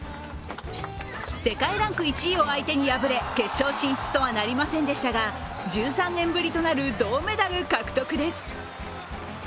世界ランク１位を相手に敗れ、決勝進出とはなりませんでしたが、１３年ぶりとなる銅メダル獲得です。